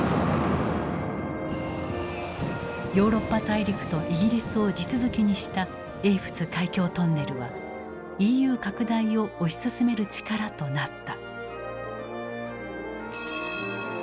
ヨーロッパ大陸とイギリスを地続きにした英仏海峡トンネルはＥＵ拡大を推し進める力となった。